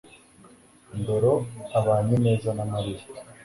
ndoro abanye neza na Mariya